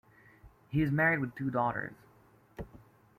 He is married with two daughters.